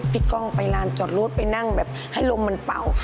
กล้องไปลานจอดรถไปนั่งแบบให้ลมมันเป่า